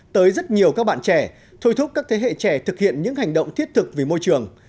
tới rất nhiều các bạn trẻ thôi thúc các thế hệ trẻ thực hiện những hành động thiết thực vì môi trường